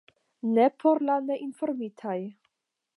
Ne por la neinformitaj.